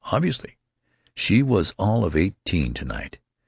Obviously. She was all of eighteen to night.